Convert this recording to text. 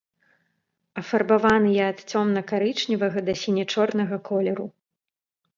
Афарбаваныя ад цёмна-карычневага да сіне-чорнага колеру.